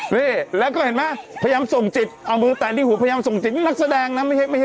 นี่แล้วก็เห็นไหมพยายามส่งจิตเอามือแตะที่หูพยายามส่งจิตนักแสดงนะไม่ใช่ไม่ใช่